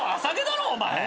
だろお前。